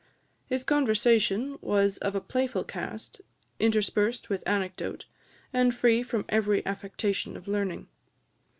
His conversation was of a playful cast, interspersed with anecdote, and free from every affectation of learning.